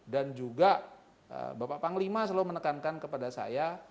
juga bapak panglima selalu menekankan kepada saya